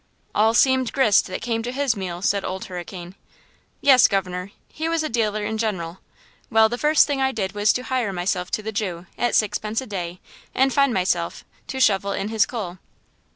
"All seemed grist that came to his mill!" said Old Hurricane. "Yes, Governor, he was a dealer in general. Well, the first thing I did was to hire myself to the Jew, at a sixpence a day and find myself, to shovel in his coal.